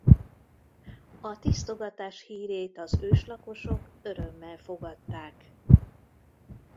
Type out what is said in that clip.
A tisztogatás hírét az őslakosok örömmel fogadták.